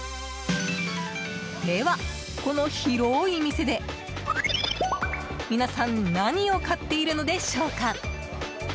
では、この広い店で皆さん何を買っているのでしょうか？